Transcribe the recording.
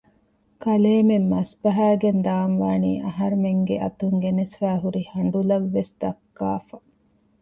ކަލޭމެން މަސްބަހައިގެން ދާންވާނީ އަހަރުމެންގެ އަތުން ގެނެސްފައިހުރި ހަނޑުލަށް ވެސް ދައްކާފަ